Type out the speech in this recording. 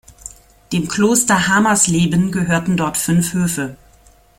Dem Kloster Hamersleben gehörten dort fünf Höfe.